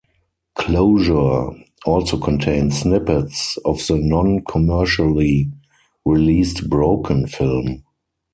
"Closure" also contains snippets of the non-commercially released "Broken" film.